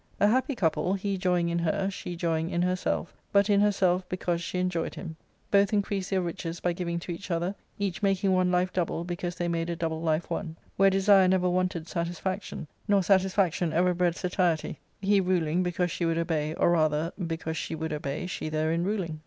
A happy couple, he joying in her, she joying in herself, but in herself because she enjoyed him ; both increased their riches by giving to each other, each making one life double because they made a double life one ; where desire never wanted satisfaction, nor satisfaction ever bred satiety, he ruling because she would obey, or rather, because she would obey, she therein ruling.